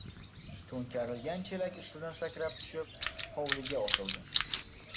To‘nkarilgan chelak ustidan sakrab tushib, hovliga otildim.